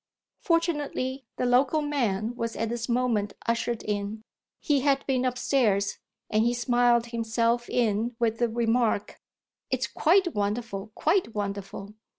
Fortunately the "local man" was at this moment ushered in. He had been upstairs and he smiled himself in with the remark: "It's quite wonderful, quite wonderful."